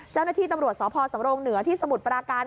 เจ้าหน้าที่ตำรวจสพสำรงเหนือที่สมุทรปราการ